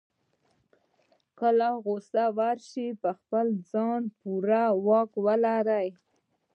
کله غوسه ورشي په خپل ځان بشپړ واک ولري.